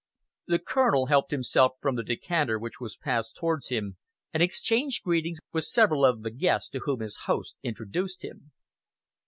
The Colonel helped himself from the decanter which was passed towards him and exchanged greetings with several of the guests to whom his host introduced him.